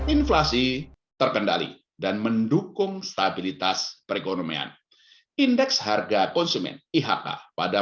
inflasi terkendali dan mendukung stabilitas perekonomian indeks harga konsumen ihk pada